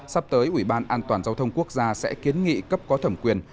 sắp tới ủy ban an toàn giao thông quốc gia sẽ kiến nghị cấp có thẩm quyền